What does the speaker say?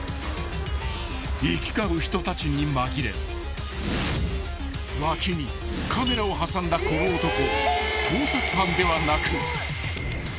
［行き交う人たちに紛れ脇にカメラを挟んだこの男盗撮犯ではなく］